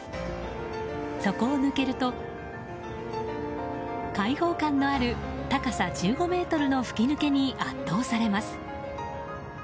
そこを抜けると開放感のある高さ１５ｍの吹き抜けに圧倒されます。